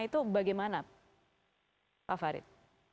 itu bagaimana pak farid